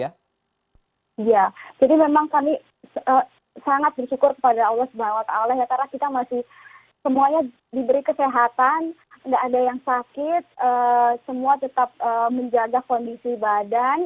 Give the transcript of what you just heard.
ya jadi memang kami sangat bersyukur kepada allah swt ya karena kita masih semuanya diberi kesehatan tidak ada yang sakit semua tetap menjaga kondisi badan